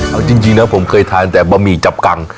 เอาจริงนะผมเคยทานแต่บะหมี่จับกัง